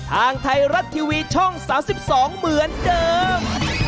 ทางไทยรัฐทีวีช่อง๓๒เหมือนเดิม